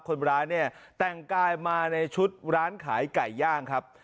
คนร้ายเนี่ยแต่งกายมาในชุดร้านขายไก่ย่างครับ